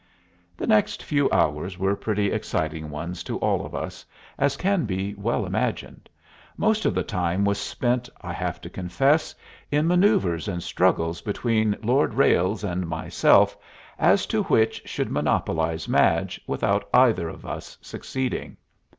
The next few hours were pretty exciting ones to all of us, as can well be imagined. Most of the time was spent, I have to confess, in manoeuvres and struggles between Lord Ralles and myself as to which should monopolize Madge, without either of us succeeding.